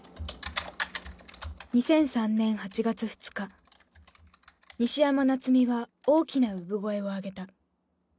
２００３年８月２日西山夏実は大きな産声を上げた。